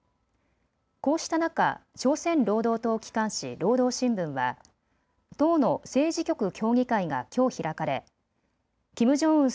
こうした中、朝鮮労働党機関紙、労働新聞は党の政治局協議会がきょう開かれキム・ジョンウン